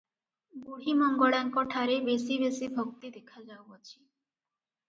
ବୁଢ଼ୀ ମଙ୍ଗଳାଙ୍କ ଠାରେ ବେଶି ବେଶି ଭକ୍ତି ଦେଖାଯାଉଅଛି ।